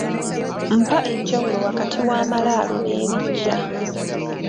Mpa enjawulo wakati w’amaalaalo n’ebiggya.